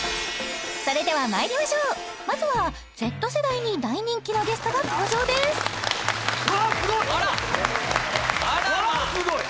それではまいりましょうまずはＺ世代に大人気のゲストが登場ですうわすごい！